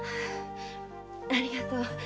ありがとう。